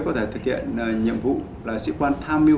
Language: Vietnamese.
có thể thực hiện nhiệm vụ là sĩ quan tham mưu